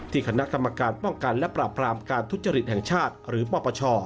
คณะกรรมการป้องกันและปราบรามการทุจริตแห่งชาติหรือปปช